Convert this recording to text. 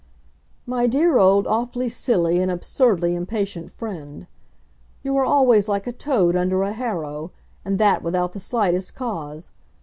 MY DEAR OLD AWFULLY SILLY, AND ABSURDLY IMPATIENT FRIEND, You are always like a toad under a harrow, and that without the slightest cause.